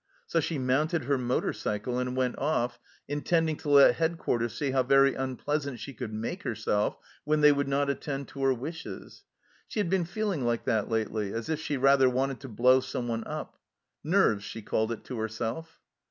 So she mounted her motor cycle and went off, intending to let Headquarters see how very un pleasant she could make herself when they would not attend to her wishes. She had been feeling like that lately, as if she rather wanted to blow someone up. " Nerves," she called it to herself.